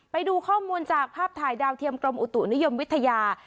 ไปดูข้อมูลจากภาพถ่ายดาวเทียมกรมอุตุนิยมวิทยา